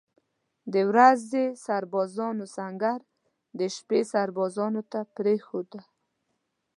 د ورځې سربازانو سنګر د شپې سربازانو ته پرېښوده.